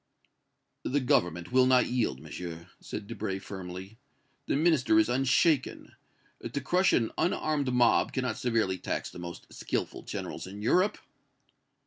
"The Government will not yield, Monsieur!" said Debray, firmly. "The Minister is unshaken. To crush an unarmed mob cannot severely tax the most skillful generals in Europe."